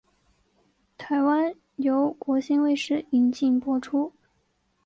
台湾由国兴卫视引进播出。